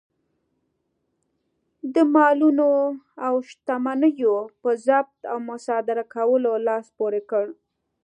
د مالونو او شتمنیو په ضبط او مصادره کولو لاس پورې کړ.